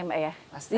pasti punya gadget